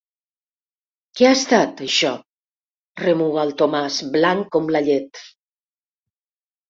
Què ha estat, això? –remuga el Tomàs, blanc com la llet–.